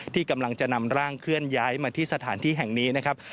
ที่กำลังจะนำร่างเคลื่อนย้ายมาที่สถานที่แห่งนี้นะครับ